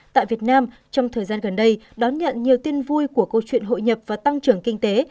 tại việt nam trong thời gian gần đây đón nhận nhiều tin vui của câu chuyện hội nhập và tăng trưởng kinh tế